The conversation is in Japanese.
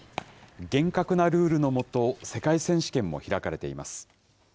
厳格なルールの下、世界選手権も開かれています。